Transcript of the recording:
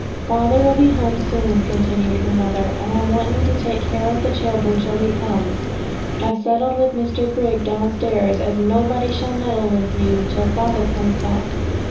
'Father'll be home soon,' continued her mother, 'and I want you to take care of the children till he comes. I've settled with Mr Grigg downstairs as nobody shall meddle with you till father comes back.